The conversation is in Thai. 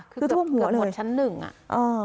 คือท่วมหัวหมดชั้นหนึ่งอ่ะ